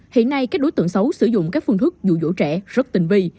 hiện nay các đối tượng xấu sử dụng các phương thức dụ dỗ trẻ rất tình vi